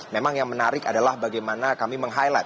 memang yang menarik adalah bagaimana kami meng highlight